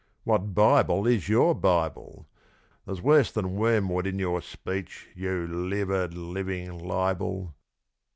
What "Bible" is your Bible? There's worse than wormwood in your speech, You livid, living libel!